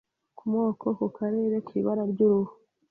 ku moko, ku karere, ku ibara ry’uruhu,